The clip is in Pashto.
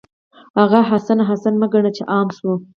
هغه حسن، حسن مه ګڼه چې عام شو